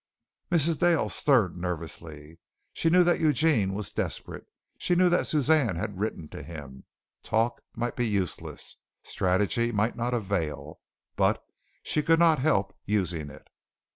Mrs. Dale stirred nervously. She knew that Eugene was desperate. She knew that Suzanne had written to him. Talk might be useless. Strategy might not avail, but she could not help using it.